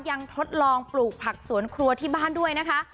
ทดลองปลูกผักสวนครัวที่บ้านด้วยนะคะ